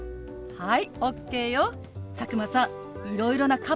はい！